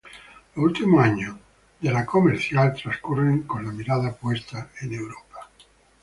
Los últimos años de La Comercial transcurren con la mirada puesta en Europa.